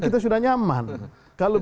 kita sudah nyaman kalau